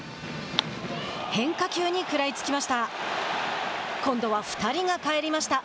変化球に食らいつきました。